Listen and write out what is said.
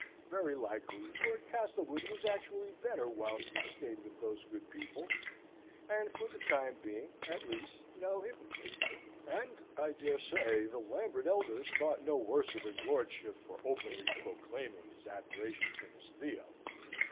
Very likely Lord Castlewood was actually better whilst he stayed with those good people, and for the time being at least no hypocrite. And, I dare say, the Lambert elders thought no worse of his lordship for openly proclaiming his admiration for Miss Theo.